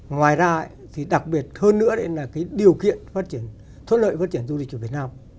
ngoài ra thì đặc biệt hơn nữa đây là cái điều kiện phát triển thốt lợi phát triển du lịch ở việt nam